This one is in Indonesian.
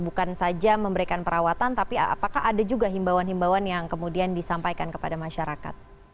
bukan saja memberikan perawatan tapi apakah ada juga himbauan himbauan yang kemudian disampaikan kepada masyarakat